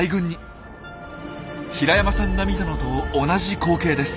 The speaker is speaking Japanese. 平山さんが見たのと同じ光景です。